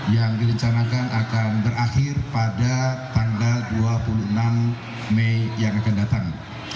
yang direncanakan akan berakhir pada tanggal dua puluh enam mei yang akan datang